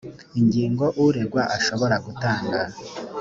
ingingo uregwa ashobora gutanga